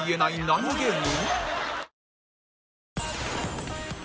何芸人？